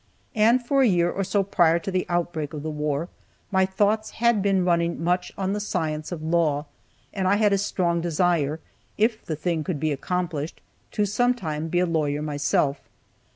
And for a year or so prior to the outbreak of the war my thoughts had been running much on the science of law, and I had a strong desire, if the thing could be accomplished, to sometime be a lawyer myself.